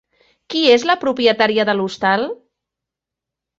Qui és la propietària de l'hostal?